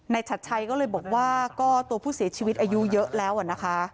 ชัดชัยก็เลยบอกว่าก็ตัวผู้เสียชีวิตอายุเยอะแล้วนะคะ